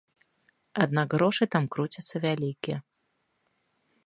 Аднак грошы там круцяцца вялікія.